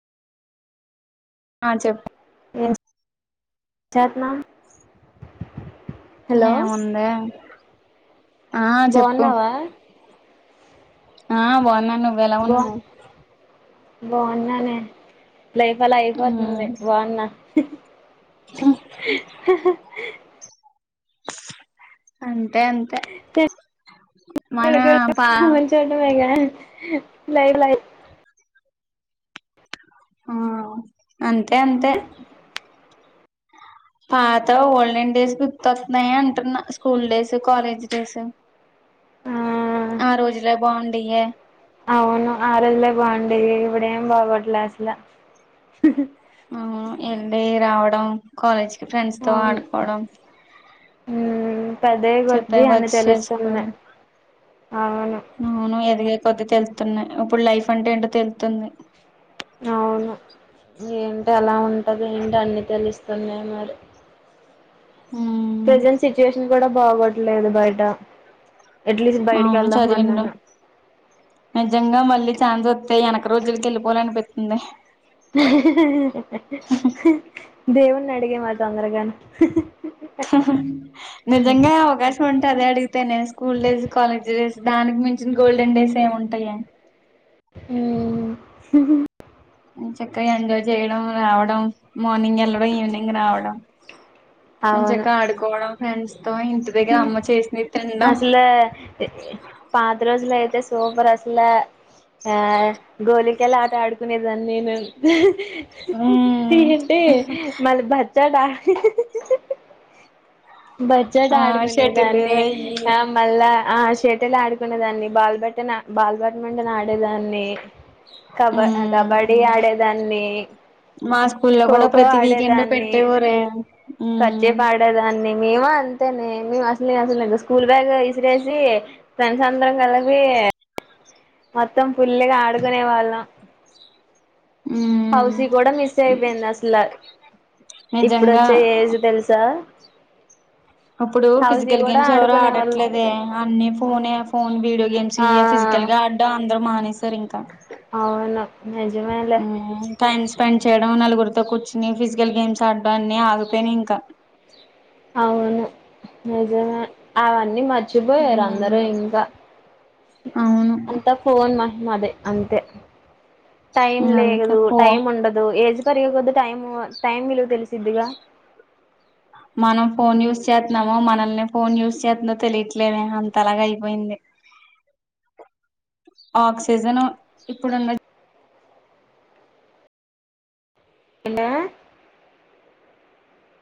ఆ చెప్ చేత్నా ఏ ఉందే ఎమ్ ఆ చెప్పు బాగున్నావా ఆ బావన్నాను వేలా ఉన్నావ్ బావున్నానేే లైఫ్ అలా మ్మ్ అయిపోతుంది. వన్నా అ [inaudible] ఆన్ టే అంతే మన పా లైలై ఆఆ అంతే అంతే పాత ఓల్డెన్ డేస్ గుర్తొతున్నాయి. అంటున్న స్కూల్ డేస్, కాలేజ్ డేస్. ఆ ఆ రోజులే బాగుండేయే అవును ఆ రోజులే బావుడేవి ఇప్పుడు. ఎమ్ బాగోట్లే అసలు ఆహా ఎండి రావడం కాలేజ్ ఫ్రెండ్స్ తో ఆడుకోవడం హు పెద్దయ్ చెప్పే కొద్దీ అని వర్క్స్ చేసుకోవడం తెలుస్తున్నాయ్. అవును పొద్దు తెలుతున్నాయ్ ఇప్పుడు లైఫ్ అంటే ఏంటో తెలతుంది అవును ఏంటి ఎలా ఉంటంది. ఏంటి అన్ని తెలుస్తున్నాయి. మరి మ్మ్ ప్రెజెంట్ సిచువేషన్ కూడా బాగట్లేన్న పోయటా అవును చదివినడు నిజంగా మళ్ళీ ఛాన్స్ వస్తాయి వెనక రోజులకి వెళ్పోాలని పెపితుంది [inaudible] దేవుణ్ని అడిగే మా తొందరగాని నిజంగా అవకాశం ఉంటు అదే అడిగితేనే స్కూల్ డేస్ కాలేజ్ డేస్ దానికి మించిన గోల్డెన్ డేస్ ఏమింటాయా ఆ చక్కగా ఎంజాయ్ చేయడం రావడం మార్నింగ్ వెళ్లడం ఈవినింగ్ రావడం ముంచ చెక్క ఆడుకోవడం ఫ్యాన్స్ అల పాద రోజల అే సూపర్ అసలు ఆ గోలికలా ఆట ఆడుకునేదాన్ని నేను ఏంటే మళ్ళ బర్ చటా బడ్జెట్ ఆ షటిల్ ఆడుకునేదాన్ని అయి ఆ మళ్ళా ఆ చేతలు ఆడుకునే దాన్ని బల్బట్టన బాల్బట్ట వండను ఆడేదాన్ని కబ మ్మ్ కబడ్డీ ఆడే దాన్ని మా స్కూ లో కూడా ప్రతి వీకెండ్ పెట్టేవరే ఏమ అంతేనే మే అసలు నేను అసలు స్కూల్ బ్యాగ్ విసిరేసి ఫ్రెండ్స్ అందరం కలిపి మొత్తం పుల్లిగా ఆడుకునే వాళ్ళం మ్మ్ హౌస్ కూడా మిస్ అయిపోయింది అసలు నిజంగా ఇప్పుడుొచ్చే ఏజ్ తెలుసా ఇప్పుడు హౌసీ ఫిజికల్ కూడా గేమ్స్ ఎవరు ఆడుకునే వాళ్ళం ఆడట్లేదే అన్ని ఫోన్ ఫోన్ వీడియో గేమ్స్ ఆ ఇ ఫిజికల్ గా ఆడ్డం అందర మానేసారు ఇంకా అవునా నజమల మ్మ్ టైం స్పెండ్ చేయడం నలుగురితో కూర్చుని ఫిజికల్ గేమ్స్ ఆడడం అన్ని ఆగిపోయినా ఇంకా అవును నిజ అవన్నీ మ మర్చిపోయారు అందరూ మ్మ్ ఇంకా అవును అంత ఫోన్ మాహి మది అంతే టైం అంతే లేదు పో టైం ఉండదు ఏజ్ సరిగ కొద్ద్ద టైమ్ టైమ్ విలువ తెలుసు మన ఫోన్ యూజ్ చేస్తున్నామో మనల్నే ఫోన్ యూజ్ చేస్తుందో తెలియట్లేనేే అంతలాగ అయిపోయింది ఆక్సిజన్ ఇప్పుడున్న ఎన్న